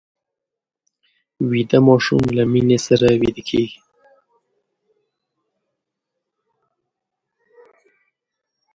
ویده ماشوم له مینې سره ویده کېږي